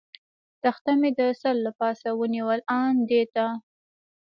تخته مې د سر له پاسه ونیول، آن دې ته.